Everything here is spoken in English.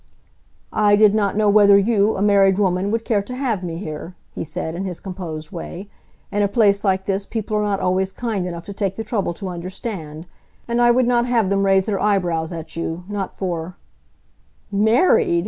"I did not know whether you, a married woman, would care to have me here," he said, in his composed way. "In a place like this people are not always kind enough to take the trouble to understand. And I would not have them raise their eyebrows at you, not for " "Married!"